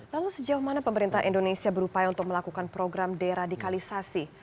lalu sejauh mana pemerintah indonesia berupaya untuk melakukan program deradikalisasi